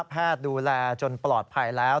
ดูแลจนปลอดภัยแล้ว